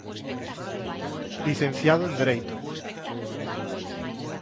Licenciado en dereito.